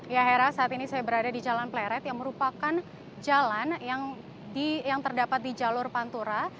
ya hera saat ini saya berada di jalan pleret yang merupakan jalan yang terdapat di jalur pantura